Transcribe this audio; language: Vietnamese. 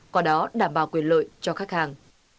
có đó đảm bảo quyền lợi cho khách hàng